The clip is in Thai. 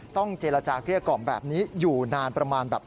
ต้องเจรจาเกลี้ยกล่อมแบบนี้อยู่นานประมาณแบบ